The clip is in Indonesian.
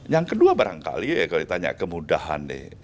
yang kedua barangkali ya kalau ditanya kemudahan deh